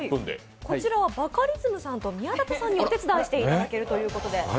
こちらはバカリズムさんと宮舘さんにお手伝いしていただけるということで。